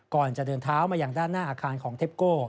ก่อนจะเดินเท้ามาอย่างด้านหน้าอาคารของเทปโก้